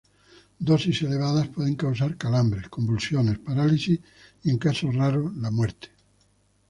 Dosis elevadas pueden causar calambres, convulsiones, parálisis y en casos raros la muerte.